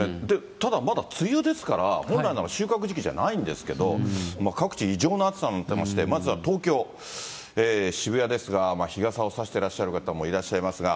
ただ、まだ梅雨ですから、本来なら収穫時期じゃないんですけど、各地、異常な暑さになってまして、まずは東京・渋谷ですが、日傘を差してらっしゃる方もいらっしゃいますが。